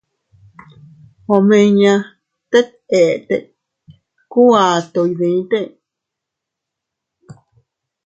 Omiña tet eete ku ato iydite.